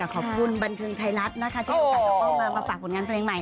ขอบคุณท่ายละทนะคะใจเวียดตากลับกันมาปากผลงานเพลงใหม่